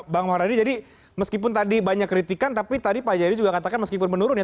bang maradi jadi meskipun tadi banyak kritikan tapi tadi pak jayadi juga katakan meskipun menurun ya